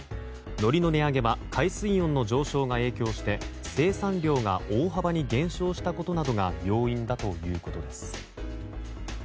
のりの値上げは海水温の上昇が影響して生産量が大幅に減少したことなどが要因だということです。